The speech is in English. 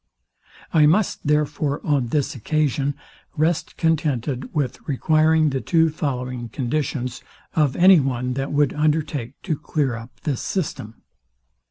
I must, therefore, on this occasion, rest contented with requiring the two following conditions of any one that would undertake to clear up this system.